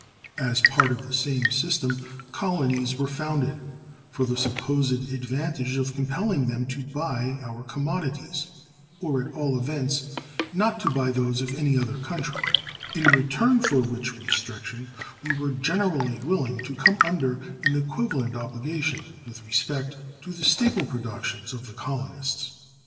As part of the same system colonies were founded, for the supposed advantage of compelling them to buy our commodities, or at all events not to buy those of any other country: in return for which restriction we were generally willing to come under an equivalent obligation with respect to the staple productions of the colonists.